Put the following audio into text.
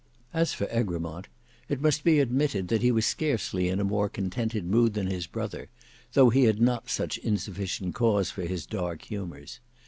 As for Egremont it must be admitted that he was scarcely in a more contented mood than his brother, though he had not such insufficient cause for his dark humours.